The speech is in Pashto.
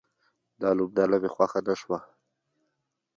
دا لوبډله مې خوښه نه شوه